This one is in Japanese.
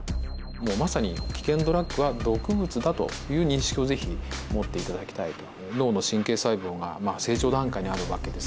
もうまさに危険ドラッグは毒物だという認識を是非持って頂きたいと。